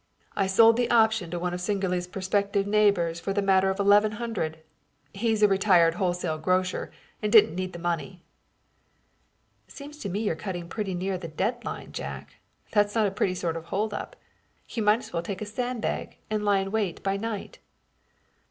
"I sold the option to one of Singerly's prospective neighbors for the matter of eleven hundred. He's a retired wholesale grocer and didn't need the money." "Seems to me you're cutting pretty near the dead line, Jack. That's not a pretty sort of hold up. You might as well take a sandbag and lie in wait by night."